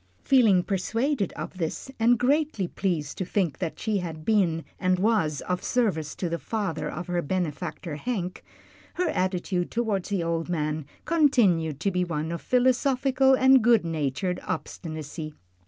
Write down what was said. Feeling persuaded of this, and greatly pleased to think that she had been and was of service to the father of her benefactor Hank, her attitude toward the old man continued to be one of philosophical and good natured obstinacy.